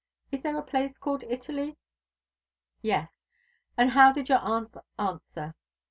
Is there a place called Italy?" "Yes. And how did your aunt answer?"